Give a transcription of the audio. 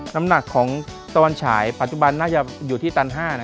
น้ำหนักของตะวันฉายปัจจุบันน่าจะอยู่ที่ตัน๕นะ